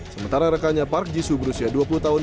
sementara rekannya park ji soo berusia dua puluh tiga tahun